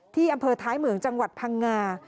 ที่อำเภอท้ายเหมืองจังหวัดพังงา